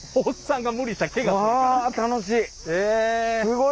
あ楽しい！